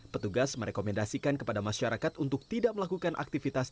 petugas merekomendasikan kepada masyarakat untuk tidak melakukan aktivitas